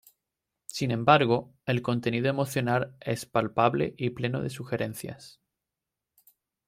Sin embargo, el contenido emocional es palpable y pleno de sugerencias.